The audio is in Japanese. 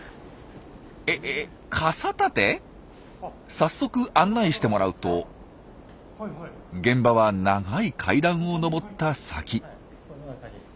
早速案内してもらうと現場は長い階段を上った先。